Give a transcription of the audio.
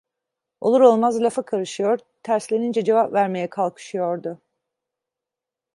Olur olmaz lafa karışıyor, terslenince cevap vermeye kalkışıyordu.